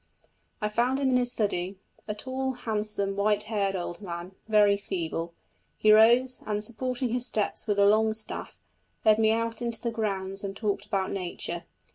I found him in his study a tall, handsome, white haired old man, very feeble; he rose, and supporting his steps with a long staff, led me out into the grounds and talked about nature.